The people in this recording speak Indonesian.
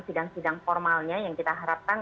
sidang sidang formalnya yang kita harapkan